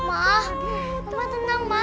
mama tenang ma